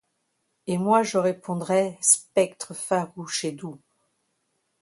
Et moi je répondrai, spectre farouche et doux